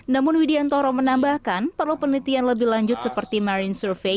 namun widiantoro menambahkan perlu penelitian lebih lanjut seperti marine survei